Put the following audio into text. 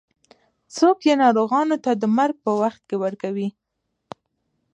څوک یې ناروغانو ته د مرګ په وخت کې ورکوي.